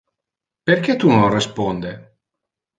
Perque tu non responde?